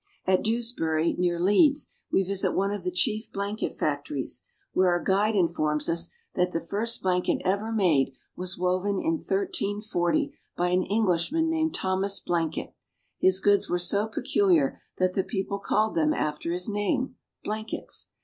At Dewsbury, near Leeds, we visit one of the chief blanket factories, where our guide informs us that the MANUFACTURING ENGLAND. 59 first blanket ever made was woven in 1 340 by an English man named Thomas Blanket ; his goods were so peculiar that the people called them after his name, blankets.